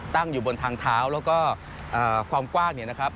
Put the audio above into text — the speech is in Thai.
ตั้งอยู่บนทางเท้าแล้วก็ความกว้าง